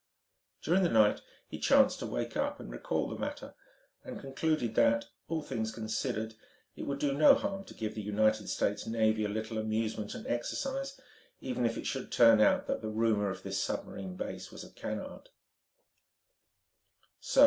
During the night he chanced to wake up and recall the matter, and concluded that, all things considered, it would do no harm to give the United States Navy a little amusement and exercise, even if it should turn out that the rumour of this submarine base was a canard.